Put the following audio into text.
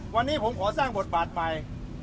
วันนี้ผมขอสร้างบทบาทใหม่